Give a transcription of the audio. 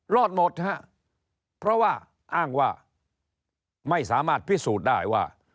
รอดหมดฮะเพราะว่าอ้างว่าไม่สามารถพิสูจน์ได้ว่า